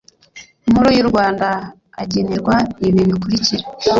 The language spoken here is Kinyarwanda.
Nkuru y u Rwanda agenerwa ibi bikurikira